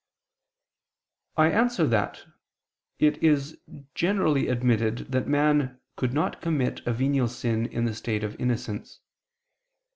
I answer that, It is generally admitted that man could not commit a venial sin in the state of innocence.